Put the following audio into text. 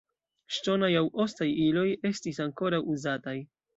Ŝtonaj aŭ ostaj iloj estis ankoraŭ uzataj.